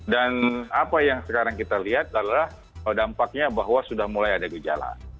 apa yang sekarang kita lihat adalah dampaknya bahwa sudah mulai ada gejala